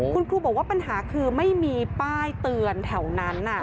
คุณครูบอกว่าปัญหาคือไม่มีป้ายเตือนแถวนั้น